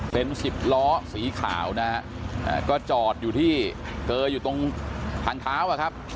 เป็นสิบล้อสีขาวก็จอดอยู่ที่เกย์อยู่ตรงทางขาว